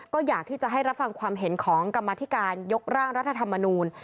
ก็อยากที่จะให้รับฟังความเห็นของกรรมธิการยกร่างรัฐธรรมนูล